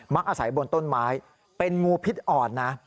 อาศัยบนต้นไม้เป็นงูพิษอ่อนนะ